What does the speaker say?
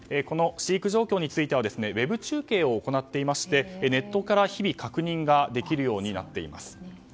この飼育状況についてはウェブ中継を行っていましてネットから日々確認ができるようになっています。